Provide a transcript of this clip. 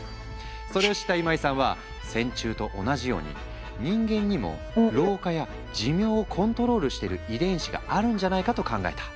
それを知った今井さんは線虫と同じように人間にも老化や寿命をコントロールしている遺伝子があるんじゃないかと考えた。